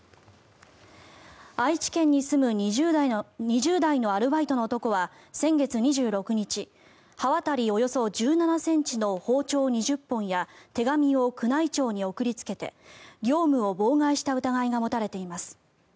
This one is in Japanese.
愛知県に住む２０代のアルバイトの男は先月２６日に刃渡りおよそ１７ｃｍの包丁２０本や手紙を宮内庁に送りつけて業務を妨害した疑いが持たれています。